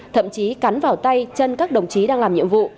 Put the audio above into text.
thậm chí cắn vào tay chân các đồng chí đang làm nhiệm vụ